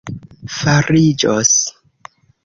fariĝos